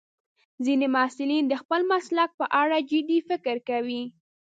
ځینې محصلین د خپل مسلک په اړه جدي فکر کوي.